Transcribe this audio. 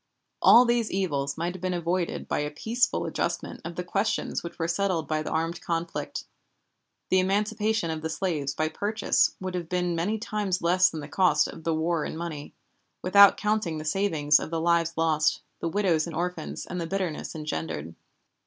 All these evils might have been avoided by a peaceful adjustment of the questions which were settled by the armed conflict. The emancipation of the slaves by purchase would have been many times less than the cost of the war in money, without counting the saving of the lives lost, the widows and orphans, and the bitterness engendered.